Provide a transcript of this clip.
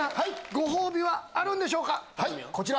ご褒美はあるんでしょうか？